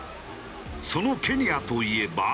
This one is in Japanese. そのケニアといえば。